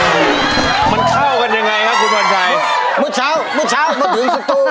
เมื่อสองบ้านค่ะคุณผวานชัย